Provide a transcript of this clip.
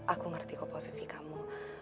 aku ngerti kok posisi kamu